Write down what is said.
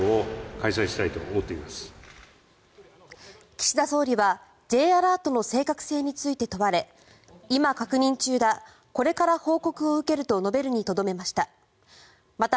岸田総理は、Ｊアラートの正確性について問われ今、確認中だこれから報告を受けると述べるにとどまりました。